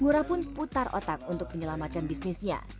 ngurah pun putar otak untuk menyelamatkan bisnisnya